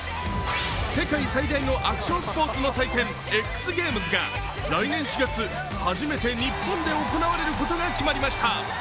世界最大のアクションスポーツの祭典・Ｘゲームズが来年４月、初めて日本で行われることが決まりました。